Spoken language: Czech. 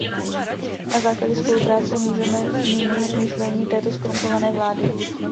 Na základě spolupráce můžeme změnit myšlení této zkorumpované vlády.